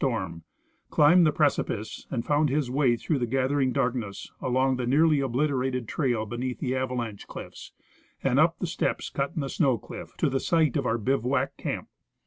torm, climbed the precipice, and found his Avay through the gathering darkness, along the nearly obliterated trail beneath the avalanche cliffs, and up the steps cut in the snow cliff, to the site of our bivouac camp.